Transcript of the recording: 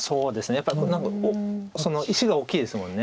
やっぱり石が大きいですもんね。